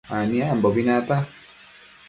Aniambobi nata